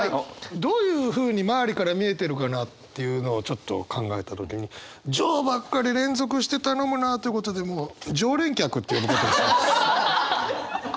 どういうふうに周りから見えてるかなっていうのをちょっと考えた時に「上」ばっかり連続して頼むなってことでもう「上連客」って呼ぶことにします。